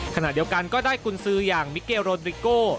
ขณะเดียวกันก็ได้กุญสืออย่างมิเกลโรดริโก้